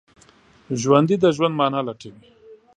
ژوندي د ژوند معنی لټوي